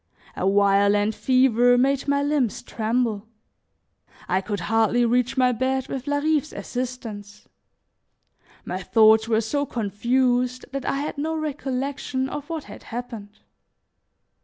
A violent fever made my limbs tremble; I could hardly reach my bed with Larive's assistance. My thoughts were so confused that I had no recollection of what had happened.